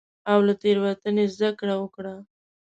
او له تېروتنې زدکړه وکړه.